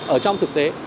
ở trong thực tế